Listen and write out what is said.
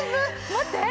待って。